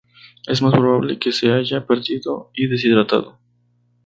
Es más probable que se hayan perdido y deshidratado.